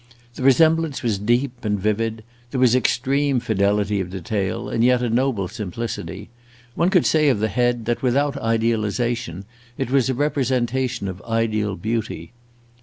The resemblance was deep and vivid; there was extreme fidelity of detail and yet a noble simplicity. One could say of the head that, without idealization, it was a representation of ideal beauty.